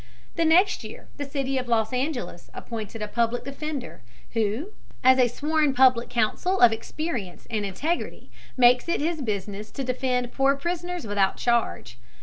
The next year the city of Los Angeles appointed a Public Defender who, as a sworn public counsel of experience and integrity, makes it his business to defend poor prisoners without charge.